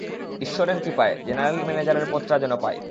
ঈশ্বরকে কৃপায় জেনারেল ম্যানেজারের পদটা যেন পাই।